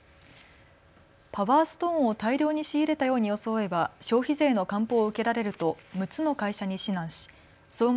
パワーストーンを大量に仕入れたように装えば消費税の還付を受けられると６つの会社に指南し総額